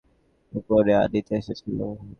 উপরে আনিতা এসেছিল।